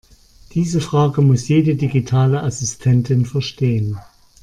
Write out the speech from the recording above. Diese Frage muss jede digitale Assistentin verstehen.